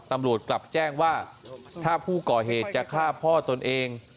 ตำรวจกลับแจ้งว่าถ้าผู้ก่อเหตุจะฆ่าพ่อตนเอง